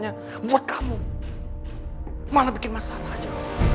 aku cuma pengen tahu aja